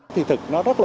thì thật nó rất là